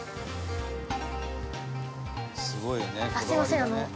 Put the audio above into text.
「すごいよね